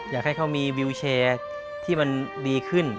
อยากให้เขามีวิวแชร์ที่มันดีขึ้น